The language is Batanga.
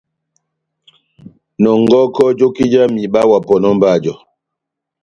Nɔngɔkɔ joki jáh mihiba wa pɔnɔ mba jɔ.